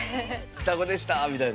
双子でしたみたいな。